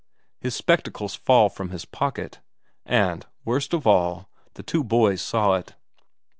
his spectacles fall from his pocket. And, worst of all, the two boys saw it.